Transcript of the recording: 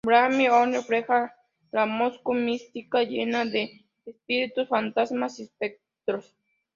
Vladímir Orlov refleja la Moscú mística, llena de espíritus, fantasmas y espectros.